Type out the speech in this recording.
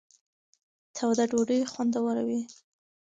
توده ډوډۍ خوندوره وي.